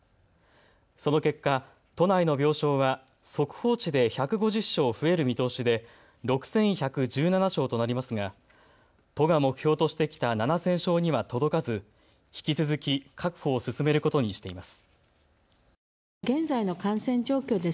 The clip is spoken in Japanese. その結果、都内の病床は速報値で１５０床増える見通しで６１１７床となりますが都が目標としてきた７０００床には届かず引き続き確保を進めることにしています。